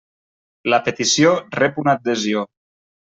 La petició rep una adhesió.